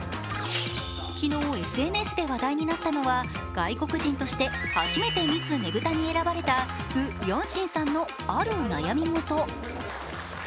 昨日、ＳＮＳで話題になったのは、外国人として初めてミスねぶたに選ばれた呉詠心さんのある悩みごと。